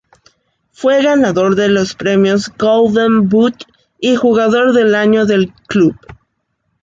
Fue ganador de los premios Golden Boot y Jugador del Año del Club.